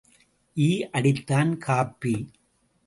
ஈ அடித்தான் காப்பி.